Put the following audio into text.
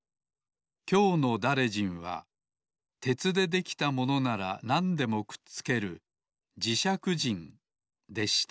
きょうのだれじんは鉄でできたものならなんでもくっつけるじしゃくじんでした